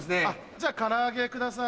じゃあからあげください。